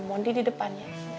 mondi di depannya